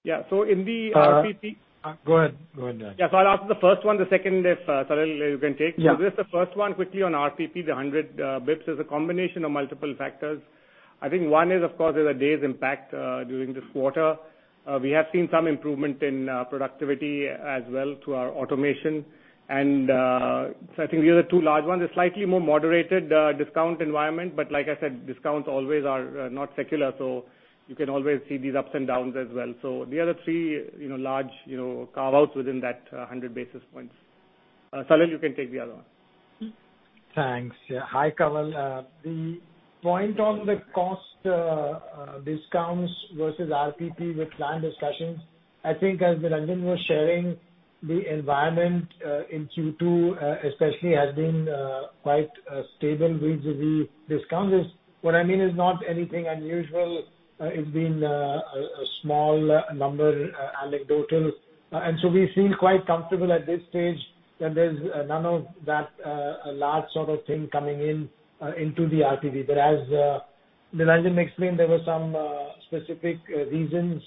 Yeah. In the RPP. Go ahead. Yeah. I'll answer the first one, the second, if Salil, you can take. Yeah. Just the first one quickly on RPP, the 100 basis points is a combination of multiple factors. I think one is, of course, there's a day's impact during this quarter. We have seen some improvement in productivity as well through our automation. I think the other two large ones are slightly more moderated discount environment. Like I said, discounts always are not secular, so you can always see these ups and downs as well. The other three large carve-outs within that 100 basis points. Salil, you can take the other one. Thanks. Hi, Kawal. The point on the cost discounts versus RPP with client discussions, I think as Nilanjan was sharing, the environment in Q2 especially has been quite stable vis-à-vis discounts. What I mean is not anything unusual. It's been a small number anecdotal. We feel quite comfortable at this stage that there's none of that large sort of thing coming into the RPP. As Nilanjan explained, there were some specific reasons.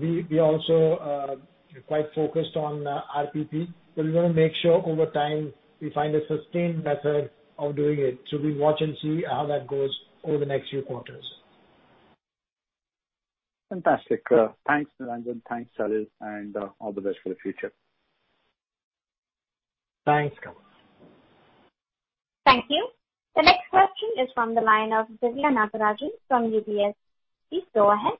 We also are quite focused on RPP, so we want to make sure over time we find a sustained method of doing it. We watch and see how that goes over the next few quarters. Fantastic. Thanks, Nilanjan. Thanks, Salil, and all the best for the future. Thanks, Kawal. Thank you. The next question is from the line of Diviya Nagarajan from UBS. Please go ahead.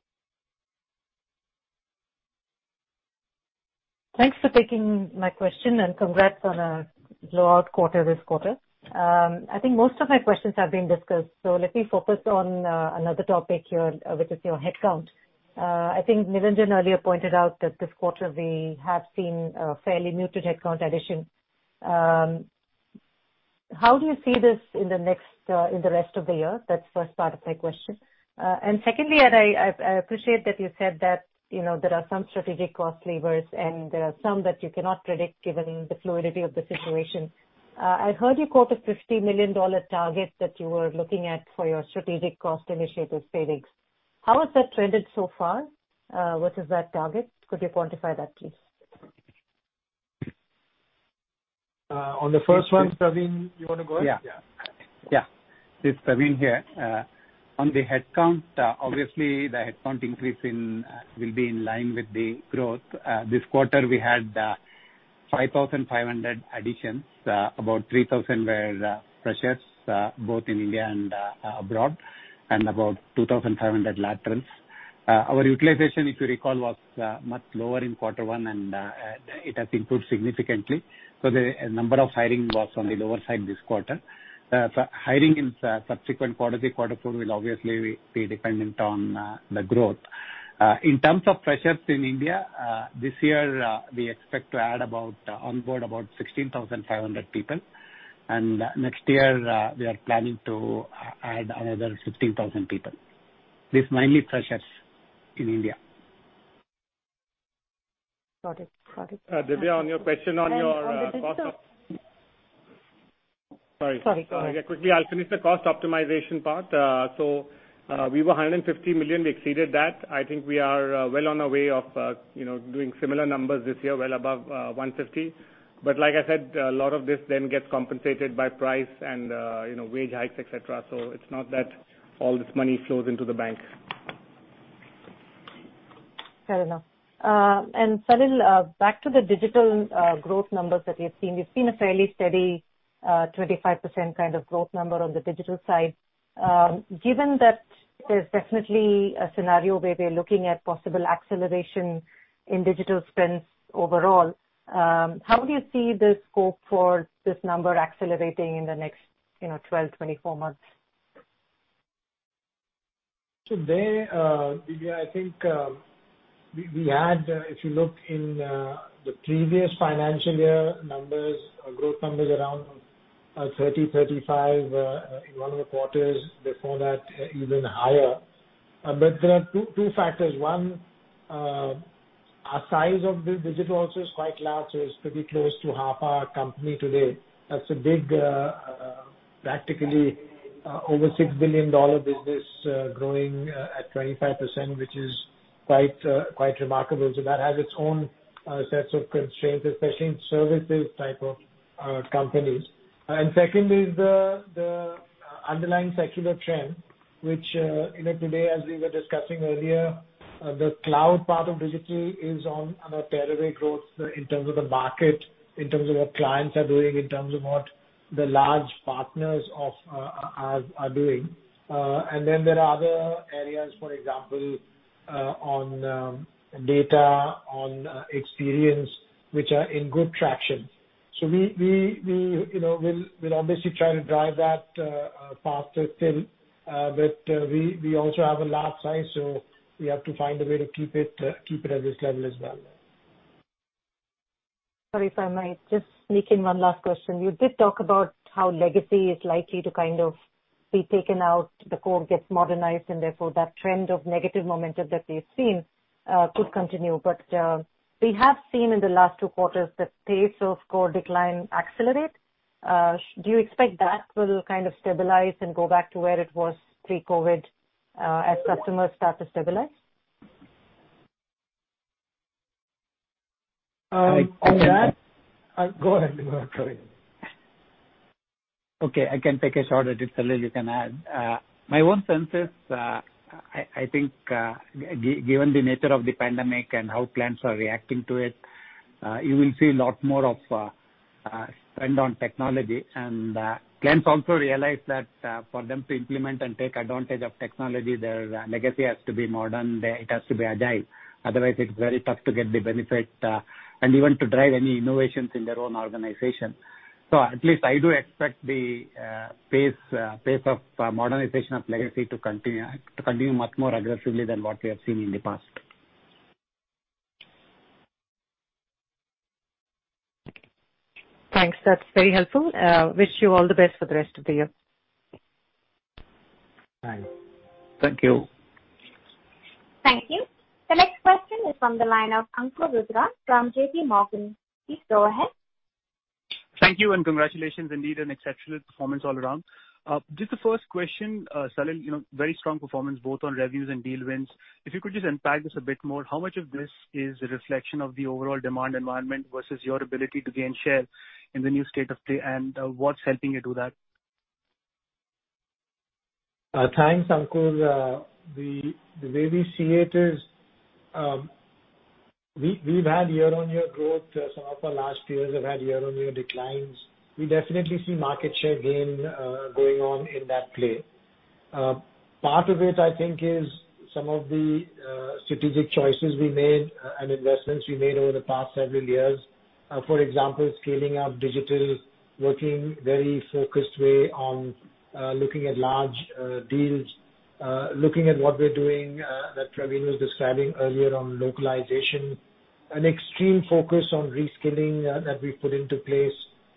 Thanks for taking my question. Congrats on a blowout quarter this quarter. I think most of my questions have been discussed. Let me focus on another topic here, which is your headcount. I think Nilanjan earlier pointed out that this quarter we have seen a fairly muted headcount addition. How do you see this in the rest of the year? That's the first part of my question. Secondly, I appreciate that you said that there are some strategic cost levers and there are some that you cannot predict given the fluidity of the situation. I heard you quote a $50 million target that you were looking at for your strategic cost initiatives savings. Could you quantify that, please? On the first one, Pravin, you want to go ahead? Yeah. This is Pravin here. On the headcount, obviously, the headcount increase will be in line with the growth. This quarter, we had 5,500 additions. About 3,000 were freshers, both in India and abroad, and about 2,500 were laterals. Our utilization, if you recall, was much lower in quarter one. It has improved significantly. The number of hiring was on the lower side this quarter. Hiring in subsequent quarters, quarter four will obviously be dependent on the growth. In terms of freshers in India, this year we expect to onboard about 16,500 people. Next year, we are planning to add another 15,000 people. This is mainly freshers in India. Got it. Diviya, on your question on your cost. Sorry. Yeah, quickly, I'll finish the cost optimization part. We were 150 million. We exceeded that. I think we are well on our way of doing similar numbers this year, well above 150 million. Like I said, a lot of this then gets compensated by price and wage hikes, et cetera. It's not that all this money flows into the bank. Fair enough. Salil, back to the digital growth numbers that we've seen. We've seen a fairly steady 25% kind of growth number on the digital side. Given that there's definitely a scenario where we're looking at possible acceleration in digital spends overall, how do you see the scope for this number accelerating in the next 12, 24 months? Today, Diviya, I think we had, if you look in the previous financial year numbers, growth numbers around 30, 35 in one of the quarters. Before that, even higher. There are two factors. One, our size of the digital also is quite large. It's pretty close to half our company today. That's a big, practically over $6 billion business growing at 25%, which is quite remarkable. That has its own sets of constraints, especially in services type of companies. Second is the underlying secular trend, which today, as we were discussing earlier, the cloud part of digitally is on a terrific growth in terms of the market, in terms of what clients are doing, in terms of what the large partners are doing. There are other areas, for example, on data, on experience, which are in good traction. We'll obviously try to drive that faster still. We also have a large size, so we have to find a way to keep it at this level as well. Sorry if I might just sneak in one last question. You did talk about how legacy is likely to kind of be taken out. The core gets modernized, and therefore that trend of negative momentum that we've seen could continue. We have seen in the last two quarters the pace of core decline accelerate. Do you expect that will kind of stabilize and go back to where it was pre-COVID as customers start to stabilize? Go ahead, Pravin. Okay, I can take a shot at it. Salil, you can add. My own sense is, I think, given the nature of the pandemic and how clients are reacting to it, you will see a lot more of a spend on technology. Clients also realize that for them to implement and take advantage of technology, their legacy has to be modern; it has to be agile. Otherwise, it's very tough to get the benefit. Even to drive any innovations in their own organization. At least I do expect the pace of modernization of legacy to continue much more aggressively than what we have seen in the past. Thanks. That's very helpful. Wish you all the best for the rest of the year. Thanks. Thank you. Thank you. The next question is from the line of Ankur Rudra from JPMorgan. Please go ahead. Thank you, congratulations indeed on exceptional performance all around. Just the first question, Salil, very strong performance both on revenues and deal wins. If you could just unpack this a bit more. How much of this is a reflection of the overall demand environment versus your ability to gain share in the new state of play? What's helping you do that? Thanks, Ankur. The way we see it is, we've had year-on-year growth. Some of our last years have had year-on-year declines. We definitely see market share gain going on in that play. Part of it, I think, is some of the strategic choices we made and investments we made over the past several years. For example, scaling up digital, working very focused way on looking at large deals. Looking at what we're doing that Pravin was describing earlier on localization. An extreme focus on reskilling that we've put into place.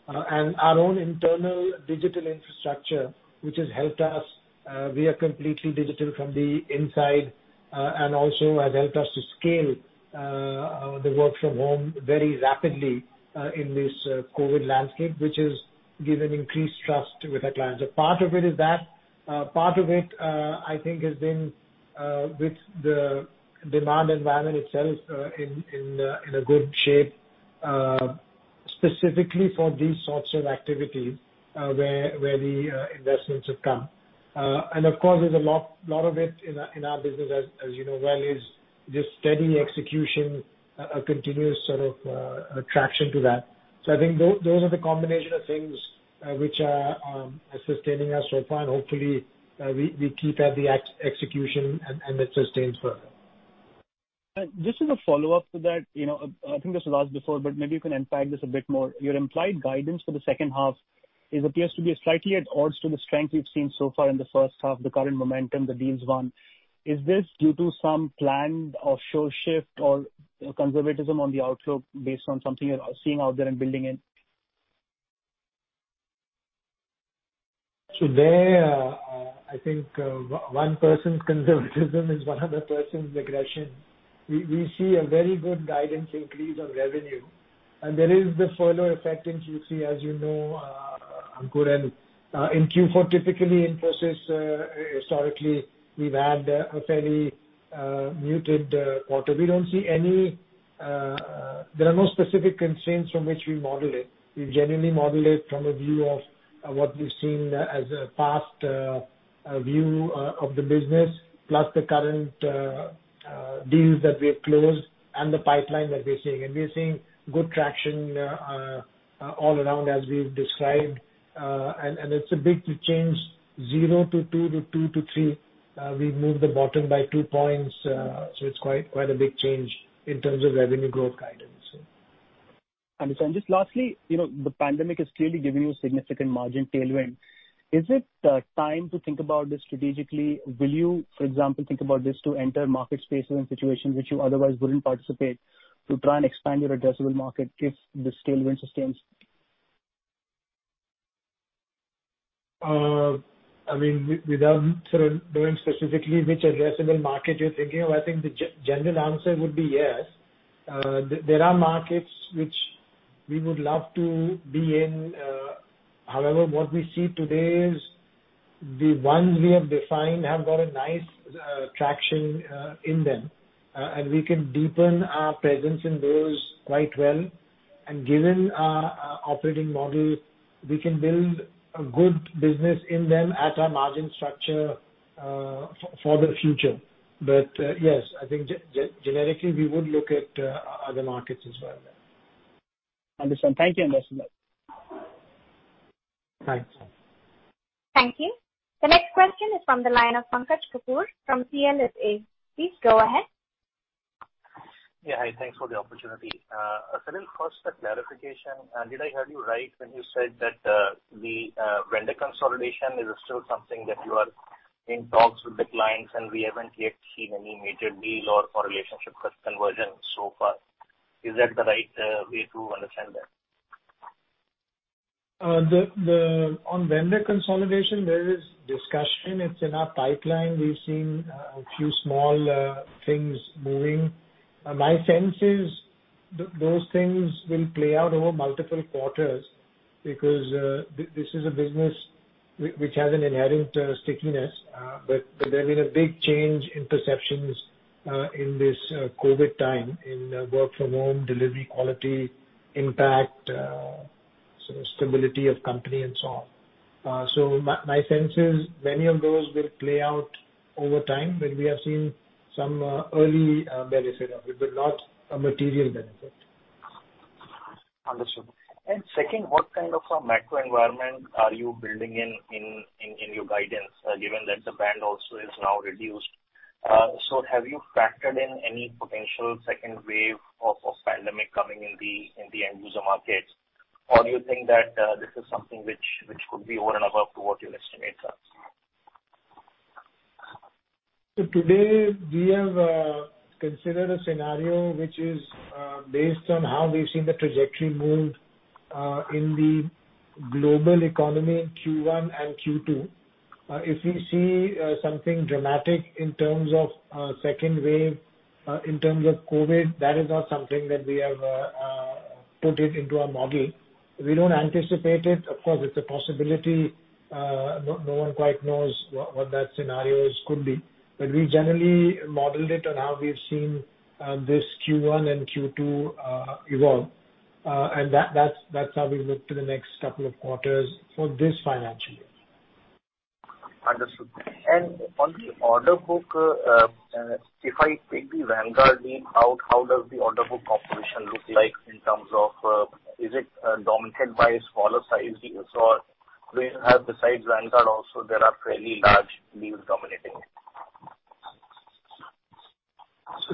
Our own internal digital infrastructure, which has helped us. We are completely digital from the inside. Also has helped us to scale the work from home very rapidly in this COVID landscape, which has given increased trust with our clients. Part of it is that. Part of it, I think, has been with the demand environment itself in a good shape, specifically for these sorts of activities, where the investments have come. Of course, there's a lot of it in our business, as you know well, is just steady execution, a continuous sort of attraction to that. I think those are the combination of things which are sustaining us so far, and hopefully we keep at the execution, and it sustains further. Just as a follow-up to that. I think this was asked before, but maybe you can unpack this a bit more. Your implied guidance for the second half appears to be slightly at odds to the strength we've seen so far in the first half, the current momentum, the deals won. Is this due to some planned offshore shift or conservatism on the outlook based on something you're seeing out there and building in? Today, I think one person's conservatism is one other person's aggression. We see a very good guidance increase on revenue. There is the furlough effect in Q3, as you know, Ankur. In Q4, typically, Infosys, historically, we've had a fairly muted quarter. There are no specific constraints from which we model it. We generally model it from a view of what we've seen as a past view of the business, plus the current deals that we have closed and the pipeline that we're seeing. We are seeing good traction all around as we've described. It's a big change, 0-2 to 2-3. We've moved the bottom by two points. It's quite a big change in terms of revenue growth guidance. Understood. Just lastly, the pandemic has clearly given you a significant margin tailwind. Is it time to think about this strategically? Will you, for example, think about this to enter market spaces and situations which you otherwise wouldn't participate, to try and expand your addressable market if this tailwind sustains? Without sort of knowing specifically which addressable market you're thinking of, I think the general answer would be yes. There are markets which we would love to be in. However, what we see today is the ones we have defined have got a nice traction in them, and we can deepen our presence in those quite well. Given our operating model, we can build a good business in them at our margin structure for the future. Yes, I think generically, we would look at other markets as well there. Understood. Thank you, Salil. Thanks. Thank you. The next question is from the line of Pankaj Kapoor from CLSA. Please go ahead. Yeah. Hi, thanks for the opportunity. Salil, first, a clarification. Did I hear you right when you said that the vendor consolidation is still something that you are in talks with the clients, we haven't yet seen any major deals or relationship conversions so far? Is that the right way to understand that? On vendor consolidation, there is discussion. It's in our pipeline. We've seen a few small things moving. My sense is, those things will play out over multiple quarters because this is a business which has an inherent stickiness. But there's been a big change in perceptions in this COVID time in work-from-home delivery quality impact, stability of company and so on. So, my sense is many of those will play out over time, but we have seen some early benefit of it, but not a material benefit. Understood. Second, what kind of a macro environment are you building in your guidance, given that the band also is now reduced? Have you factored in any potential second wave of pandemic coming in the end-user markets, or do you think that this is something which could be over and above to what your estimate says? Today, we have considered a scenario which is based on how we've seen the trajectory move in the global economy in Q1 and Q2. If we see something dramatic in terms of a second wave in terms of COVID, that is not something that we have put it into our model. We don't anticipate it. Of course, it's a possibility. No one quite knows what that scenario could be. We generally modeled it on how we've seen this Q1 and Q2 evolve. That's how we look to the next couple of quarters for this financial year. Understood. On the order book, if I take the Vanguard deal out, how does the order book population look like in terms of, is it dominated by smaller size deals, or do you have, besides Vanguard also there are fairly large deals dominating it?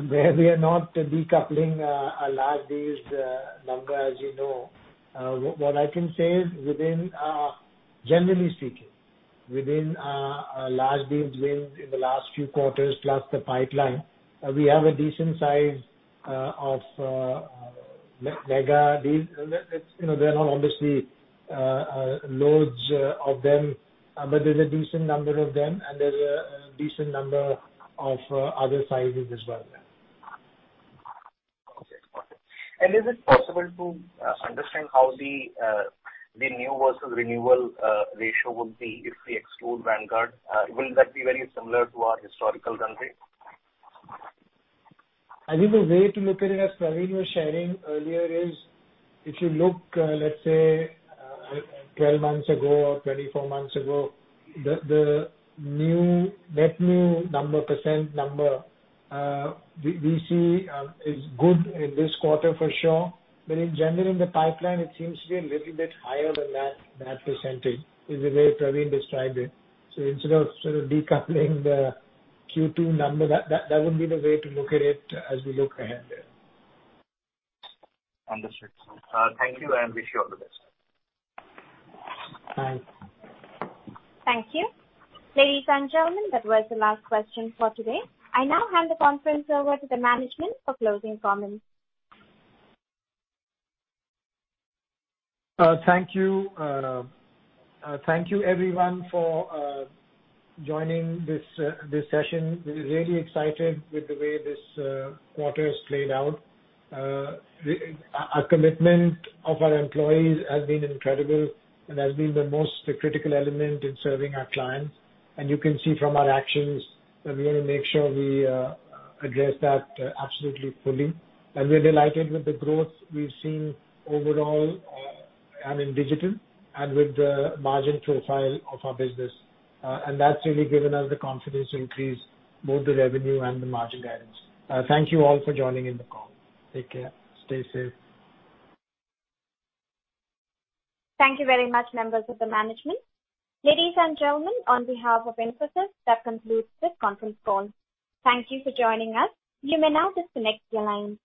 There we are not decoupling a large deals number as you know. What I can say is, generally speaking, within our large deals wins in the last few quarters, plus the pipeline, we have a decent size of mega deals. There are not obviously loads of them. There's a decent number of them, and there's a decent number of other sizes as well there. Okay. Got it. Is it possible to understand how the new versus renewal ratio would be if we exclude Vanguard? Will that be very similar to our historical trends? I think the way to look at it, as Pravin was sharing earlier, is if you look, let's say, 12 months ago or 24 months ago, the net new percent number we see is good in this quarter for sure. In general, in the pipeline, it seems to be a little bit higher than that percent, is the way Pravin described it. Instead of sort of decoupling the Q2 number, that would be the way to look at it as we look ahead there. Understood. Thank you, and wish you all the best. Thanks. Thank you. Ladies and gentlemen, that was the last question for today. I now hand the conference over to the management for closing comments. Thank you. Thank you, everyone for joining this session. We're really excited with the way this quarter has played out. Our commitment of our employees has been incredible and has been the most critical element in serving our clients. You can see from our actions that we're going to make sure we address that absolutely fully. We're delighted with the growth we've seen overall and in digital, and with the margin profile of our business. That's really given us the confidence to increase both the revenue and the margin guidance. Thank you all for joining in the call. Take care. Stay safe. Thank you very much, members of the management. Ladies and gentlemen, on behalf of Infosys, that concludes this conference call. Thank you for joining us. You may now disconnect your lines.